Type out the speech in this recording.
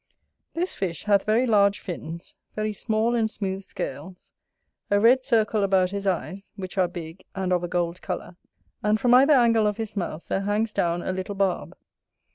This fish hath very large fins, very small and smooth scales, a red circle about his eyes, which are big and of a gold colour, and from either angle of his mouth there hangs down a little barb.